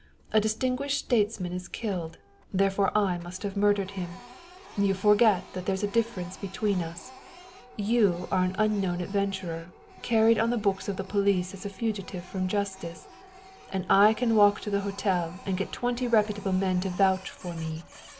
A distinguished statesman is killed therefore I must have murdered him. You forget that there's a difference between us you are an unknown adventurer, carried on the books of the police as a fugitive from justice, and I can walk to the hotel and get twenty reputable men to vouch for me.